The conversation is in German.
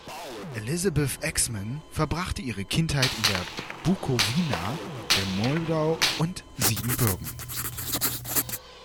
Elisabeth Axmann verbrachte ihre Kindheit in der Bukowina, der Moldau und Siebenbürgen.